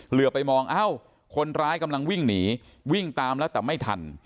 เหลือไปมองเอ้าคนร้ายกำลังวิ่งหนีวิ่งตามแล้วแต่ไม่ทัน